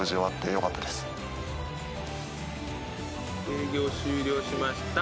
「営業終了しました」。